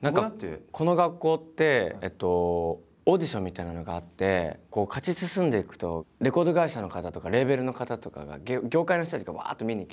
この学校ってオーディションみたいなのがあって勝ち進んでいくとレコード会社の方とかレーベルの方とかが業界の人たちがわっと見にきて。